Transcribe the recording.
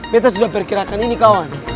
betas udah berkirakan ini kawan